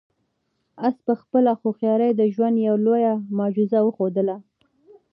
آس په خپله هوښیارۍ د ژوند یوه لویه معجزه وښودله.